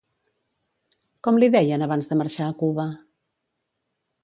Com li deien abans de marxar a Cuba?